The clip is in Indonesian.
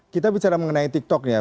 kita bicara mengenai tiktok ya